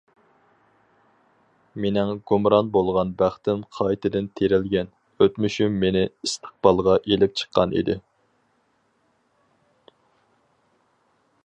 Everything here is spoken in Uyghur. مېنىڭ گۇمران بولغان بەختىم قايتىدىن تىرىلگەن، ئۆتمۈشۈم مېنى ئىستىقبالغا ئېلىپ چىققان ئىدى.